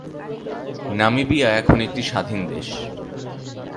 Namibia এখন একটি স্বাধীন দেশ।